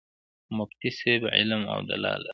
خو مفتي صېب علم او دلائل لرل